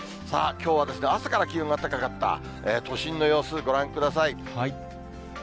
さあ、きょうは朝から気温が高かった都心の様子、ご覧ください。